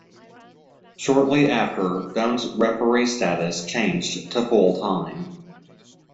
Shortly after, Doan's referee status changed to full-time.